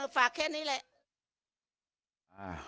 ฝากแค่นี้แหละ